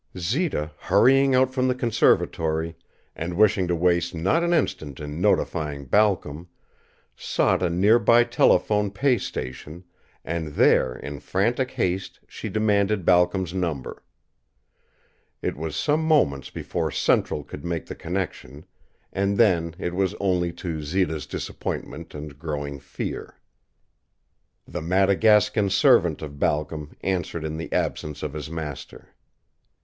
Zita, hurrying out from the conservatory, and wishing to waste not an instant in notifying Balcom, sought a near by telephone pay station, and there in frantic haste she demanded Balcom's number. It was some moments before Central could make the connection, and then it was only to Zita's disappointment and growing fear. The Madagascan servant of Balcom answered in the absence of his master.